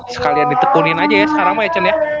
sekalian ditekunin aja ya sekarang mah ya chen ya